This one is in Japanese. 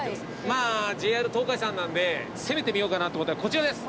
まあＪＲ東海さんなんで攻めてみようかなと思ったこちらです！